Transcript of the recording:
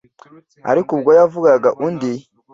Ariko ubwo yavugaga undi